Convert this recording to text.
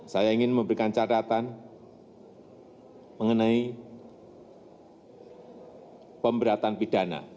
saya ingin memberikan catatan mengenai pemberatan pidana